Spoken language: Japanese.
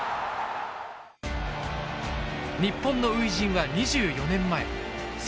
日本の初陣は２４年前。